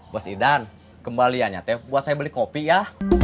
bos idan kembaliannya teh buat saya beli kopi ya